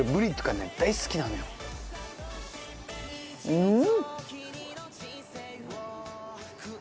うん。